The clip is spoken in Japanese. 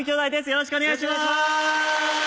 よろしくお願いします！